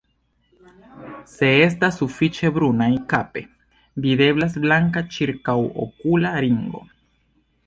Se estas sufiĉe brunaj kape, videblas blanka ĉirkaŭokula ringo.